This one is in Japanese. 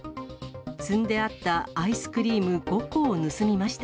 積んであったアイスクリーム５個を盗みました。